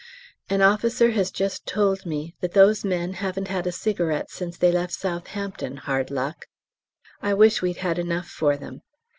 An officer has just told us that those men haven't had a cigarette since they left S'hampton, hard luck. I wish we'd had enough for them.